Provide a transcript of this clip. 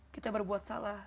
kita berbuat salah